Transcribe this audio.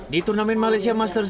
di turnamen malaysia masters